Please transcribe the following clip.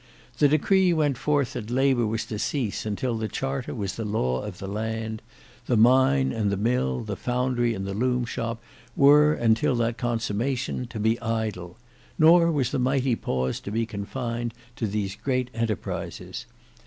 The decree went forth that labour was to cease until the Charter was the law of the land: the mine and the mill, the foundry and the loom shop were until that consummation to be idle: nor was the mighty pause to be confined to these great enterprises.